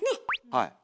はい。